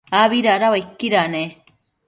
abi dada uaiquida ne?